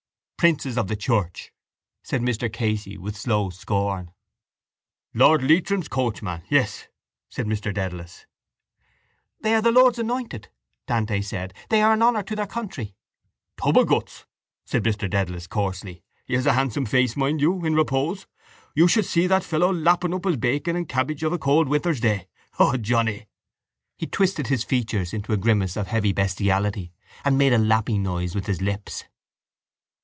—Princes of the church, said Mr Casey with slow scorn. —Lord Leitrim's coachman, yes, said Mr Dedalus. —They are the Lord's anointed, Dante said. They are an honour to their country. —Tub of guts, said Mr Dedalus coarsely. He has a handsome face, mind you, in repose. You should see that fellow lapping up his bacon and cabbage of a cold winter's day. O Johnny! He twisted his features into a grimace of heavy bestiality and made a lapping noise with his lips.